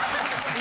今。